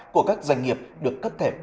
của các doanh nghiệp được cấp thẻ